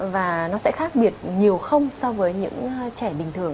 và nó sẽ khác biệt nhiều không so với những trẻ bình thường